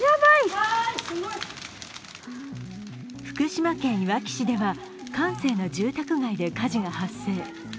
福島県いわき市では閑静な住宅街で火事が発生。